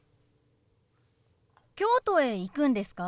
京都へ行くんですか？